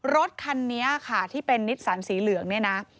รถคันนี้ค่ะที่เป็นนิสสันสีเหลืองเนี่ยนะ